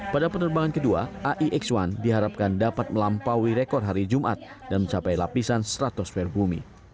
pada penerbangan kedua aix satu diharapkan dapat melampaui rekor hari jumat dan mencapai lapisan seratus fair bumi